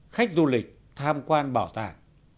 khách du lịch tham quan bảo tàng